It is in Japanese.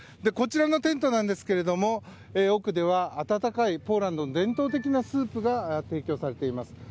こちらのテントですが奥では、温かいポーランドの伝統的なスープが提供されています。